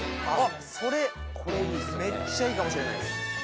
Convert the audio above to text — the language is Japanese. それめっちゃいいかもしれないです。